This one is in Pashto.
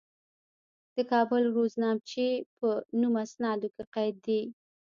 د کابل روزنامچې په نوم اسنادو کې قید دي.